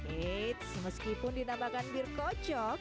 eits meskipun dinamakan bir kocok